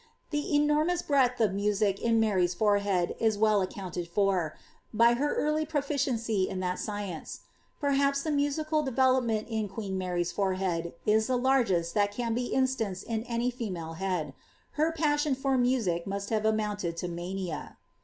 The enormous breadth of music in Mary^s forehead is well accounted for, by her early proficiency in that science; perhaps the musical developement in queen Mary's forehead is the largest that can be instanced in any female head : ber passion for music must have amounted to mania.